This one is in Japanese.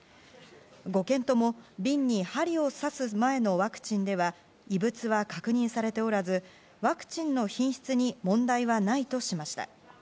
５件とも瓶に針を刺す前のワクチンでは異物は確認されておらずワクチンの品質に問題はないとしました。